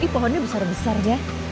pohonnya besar besar ya